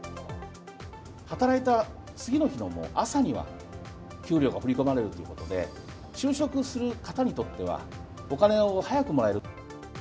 働いた次の日のもう朝には給料が振り込まれるということで、就職する方にとっては、お金を早くもらえる。